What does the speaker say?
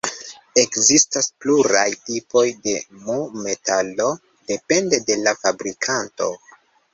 Ekzistas pluraj tipoj de mu-metalo, depende de la fabrikanto.